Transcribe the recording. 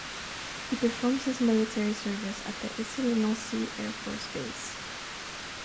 He performs his military service at the Essey lès Nancy Air Force Base.